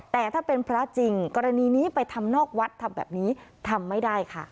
แต่ถ้าเป็นพระจริงกรณีนี้ไปทำนอกวัดทำแบบนี้ทำไม่ได้ค่ะ